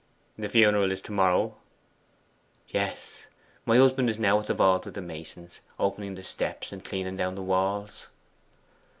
'The funeral is to morrow?' 'Yes; my husband is now at the vault with the masons, opening the steps and cleaning down the walls.